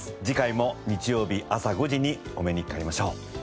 次回も日曜日あさ５時にお目にかかりましょう。